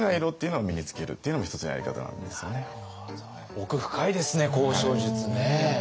奥深いですね交渉術ね。